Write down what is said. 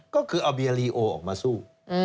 ก็คือเอาเบียลีโอออกมาสู้